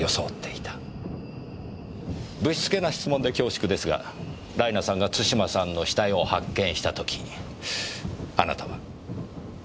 不躾な質問で恐縮ですがライナさんが津島さんの死体を発見した時あなたは？